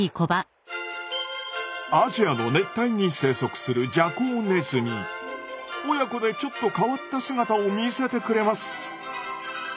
アジアの熱帯に生息する親子でちょっと変わった姿を見せてくれます。